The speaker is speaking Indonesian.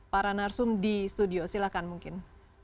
para narsum di studio silahkan mungkin